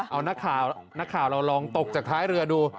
เอานักข่าวนักข่าวเราลองตกจากท้ายเรือดู